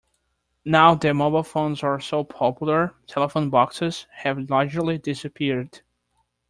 Now that mobile phones are so popular, telephone boxes have largely disappeared